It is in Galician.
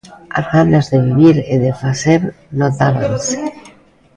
As ganas de vivir e de facer notábanse.